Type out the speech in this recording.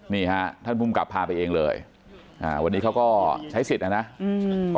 นี่ค่ะท่านภูมิกับพาไปเองเลยวันนี้เขาก็ใช้ศิษย์อ่ะหนึ่ง